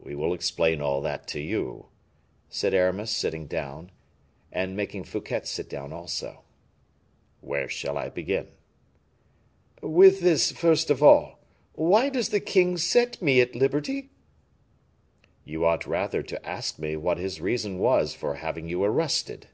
"We will explain all that to you," said Aramis, sitting down, and making Fouquet sit down also. "Where shall I begin?" "With this first of all. Why does the king set me at liberty?" "You ought rather to ask me what his reason was for having you arrested."